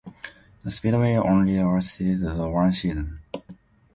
The speedway only lasted the one season.